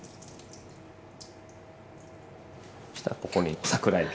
そしたらここに桜えび。